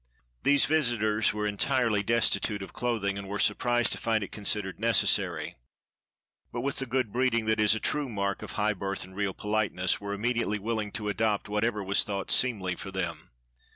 These visitors were entirely destitute of clothing, and were surprised to find it considered necessary; but with the good breeding that is a true mark of high birth and real politeness, were immediately willing to adopt what ever was thought seemly for them.